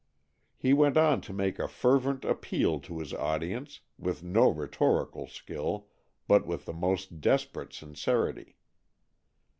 He went on to make a fervent appeal to his audience, with no rhetorical skill, but with the most desperate sincerity.